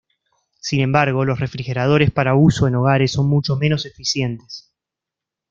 Sin embargo, los refrigeradores para uso en hogares son mucho menos eficientes.